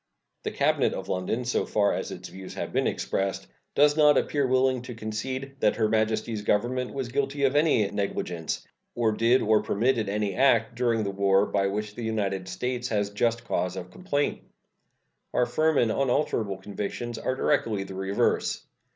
The cabinet of London, so far as its views have been expressed, does not appear to be willing to concede that Her Majesty's Government was guilty of any negligence, or did or permitted any act during the war by which the United States has just cause of complaint. Our firm and unalterable convictions are directly the reverse.